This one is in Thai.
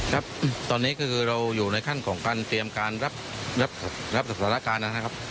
ครับตอนนี้ก็คือเราอยู่ในขั้นของการเตรียมการรับสถานการณ์นะครับ